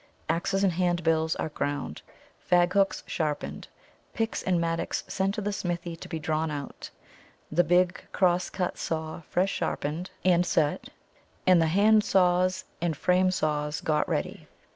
Axes and hand bills are ground, fag hooks sharpened, picks and mattocks sent to the smithy to be drawn out, the big cross cut saw fresh sharpened and set, and the hand saws and frame saws got ready.